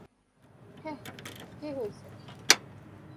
হেই, কী হয়েছে?